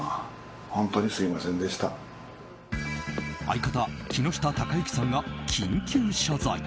相方・木下隆行さんが緊急謝罪。